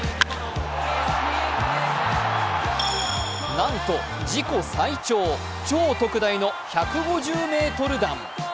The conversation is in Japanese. なんと自己最長、超特大の１５０ｍ弾。